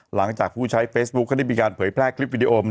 หลังจากผู้ใช้เฟซบุ๊คก็ได้มีการเผยแพร่คลิปวิดีโอ